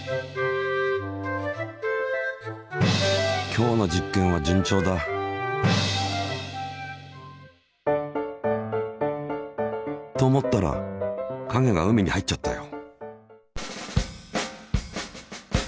今日の実験は順調だ。と思ったら影が海に入っちゃったよ。